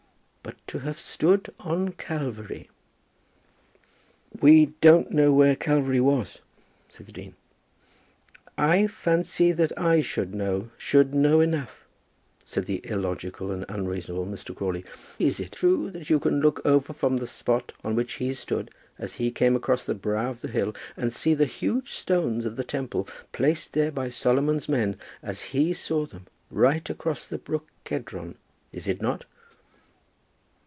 But to have stood on Calvary!" "We don't know where Calvary was," said the dean. "I fancy that I should know, should know enough," said the illogical and unreasonable Mr. Crawley. "Is it true that you can look over from the spot on which He stood as He came across the brow of the hill, and see the huge stones of the Temple placed there by Solomon's men, as He saw them; right across the brook Cedron, is it not?"